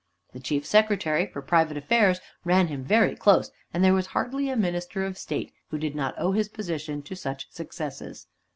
The Chief Secretary for private affairs ran him very close, and there was hardly a Minister of State who did not owe his position to such successes.